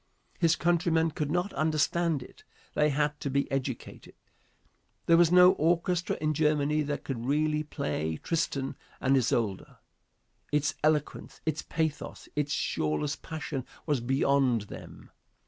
His countrymen could not understand it. They had to be educated. There was no orchestra in Germany that could really play "Tristan and Isolde." Its eloquence, its pathos, its shoreless passion was beyond them.